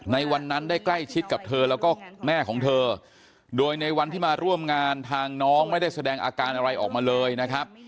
ในวันนั้นได้ใกล้ชิดกับเธอแล้วก็แม่ของเธอโดยในวันที่มาร่วมงานทางน้องไม่ได้แสดงอาการอะไรออกมาเลยนะครับ